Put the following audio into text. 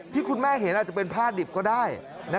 ที่คุณแม่เห็นอาจจะเป็นผ้าดิบก็ได้